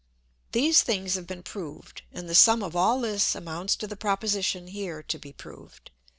These things have been prov'd, and the sum of all this amounts to the Proposition here to be proved.